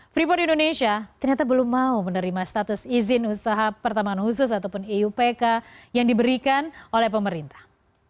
freeport indonesia ternyata belum mau menerima status izin usaha pertambangan khusus ataupun iupk yang diberikan oleh pemerintah